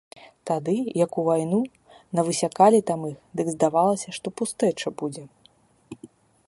Тады, як у вайну навысякалі там іх, дык здавалася, што пустэча будзе.